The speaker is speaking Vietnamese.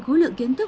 khối lượng kiến thức